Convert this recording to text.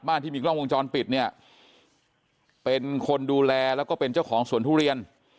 ที่มีกล้องวงจรปิดเนี่ยเป็นคนดูแลแล้วก็เป็นเจ้าของสวนทุเรียน